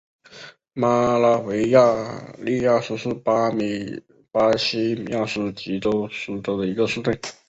马拉维利亚斯是巴西米纳斯吉拉斯州的一个市镇。